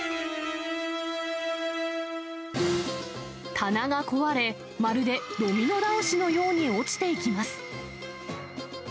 棚が壊れ、まるでドミノ倒しのように落ちていきます。